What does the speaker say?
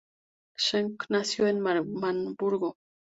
Schenck nació en Marburgo.